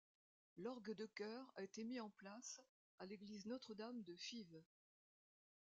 L'orgue de chœur a été mis en place à l'église Notre-Dame de Fives.